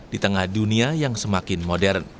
di tengah dunia yang semakin modern